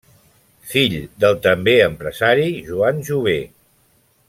Fill del també empresari Joan Jover.